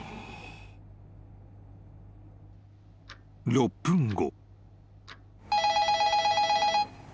［６分後］